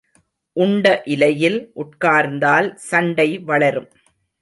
உண்ட இலையில் உட்கார்ந்தால் சண்டை வளரும்.